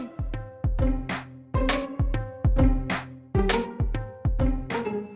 kalau kita tidak pintar